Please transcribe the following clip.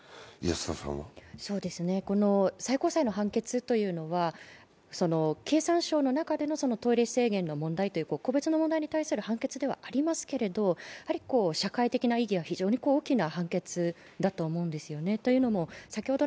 この最高裁の判決というのは経産省の中でのトイレ制限の問題という個別の問題に対する判決ではありますけれども、社会的な意義は非常に大きな判決だと思うんですよね。